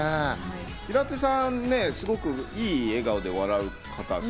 平手さん、すごくいい笑顔で笑う方。